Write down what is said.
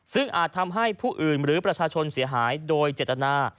ซึ่งอาจทำให้ผู้อื่นหรือประชาชนเสียหายโดยเจตนา